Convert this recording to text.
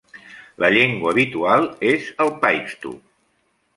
La llengua habitual és el paixtu.